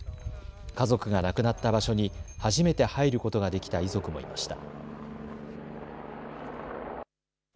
家族が亡くなった場所に初めて入ることができた遺族もいました。